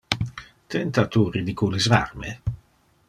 Tenta tu ridiculisar me?